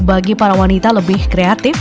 bagi para wanita lebih kreatif